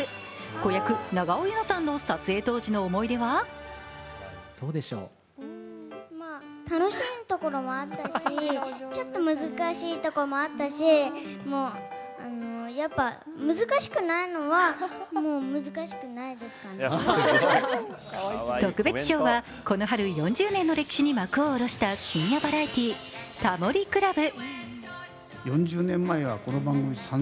子役・永尾柚乃さんの撮影当時の思い出は特別賞はこの春、４０年の歴史に幕を下ろした深夜バラエティー「タモリ倶楽部」。